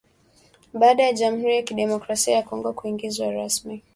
Baada ya Jamhuri ya Kidemokrasia ya Kongo kuingizwa rasmi